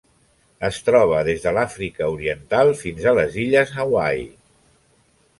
Es troba des de l'Àfrica Oriental fins a les illes Hawaii.